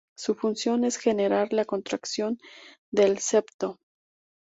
Su función es generar la contracción del septo.